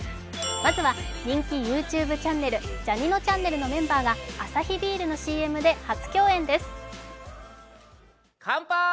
まずは人気ＹｏｕＴｕｂｅチャンネル、「ジャにのちゃんねる」のメンバーがアサヒビールのＣＭで初共演です。